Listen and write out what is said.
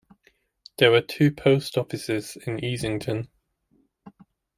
There were two post Offices in Easington.